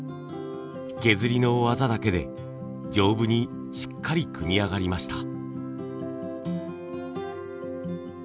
削りの技だけで丈夫にしっかり組み上がりました。